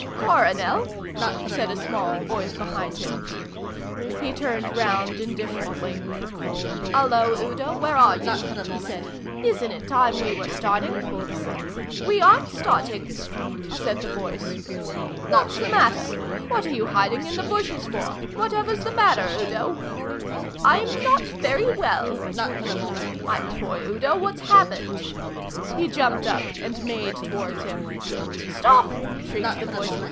"Coronel!" said a small voice behind him. He turned round indifferently. "Hullo, Udo, where are you?" he said. "Isn't it time we were starting?" "We aren't starting," said the voice. "What's the matter? What are you hiding in the bushes for? Whatever's the matter, Udo?" "I'm not very well." "My poor Udo, what's happened?" He jumped up and made towards him. "Stop!" shrieked the voice.